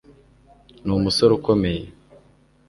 Ni umusore ukomeye